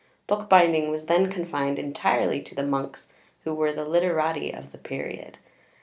Bookbinding was then confined entirely to the monks who were the literati of the period.